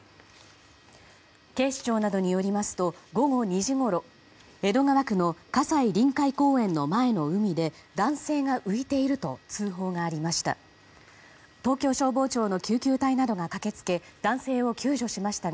警視庁などによりますと午後２時ごろ江戸川区の葛西臨海公園の前の海で男性が浮いていると通報がありました。